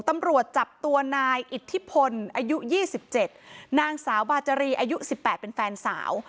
ตำรวจจับตัวนายอิทธิพลอายุ๒๗นางสาวบาจารีอายุ๑๘เป็นแฟนสาว